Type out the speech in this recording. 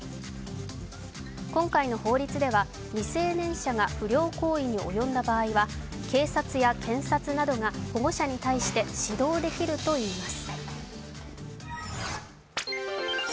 今回の法律では未成年者が不良行為に及んだ場合は警察や検察などが保護者に対して指導できるといいます。